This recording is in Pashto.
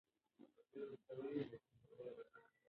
ساعت په دیوال پورې ځوړند دی.